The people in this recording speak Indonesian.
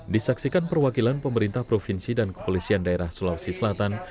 disaksikan perwakilan pemerintah provinsi dan kepolisian daerah sulawesi selatan